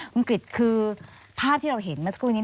คุณกริจคือภาพที่เราเห็นเมื่อสักครู่นี้